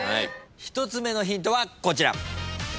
１つ目のヒントはこちら。